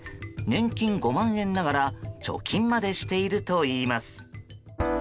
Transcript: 年金５万円ながら貯金までしているといいます。